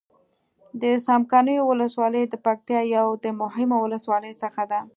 د څمکنيو ولسوالي د پکتيا يو د مهمو ولسواليو څخه ده.